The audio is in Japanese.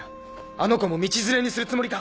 あの子も道連れにするつもりか？